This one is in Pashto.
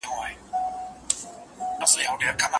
اوس نقيب ژاړي، اوس کتاب ژاړي، غزل ژاړي